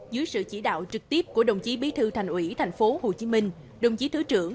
dưới sự chỉ đạo trực tiếp của đồng chí bí thư thành ủy tp hồ chí minh đồng chí thứ trưởng